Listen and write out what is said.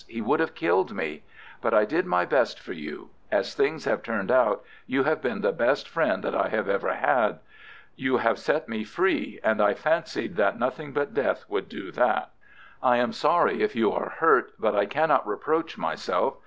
He would have killed me. But I did my best for you. As things have turned out, you have been the best friend that I have ever had. You have set me free, and I fancied that nothing but death would do that. I am sorry if you are hurt, but I cannot reproach myself.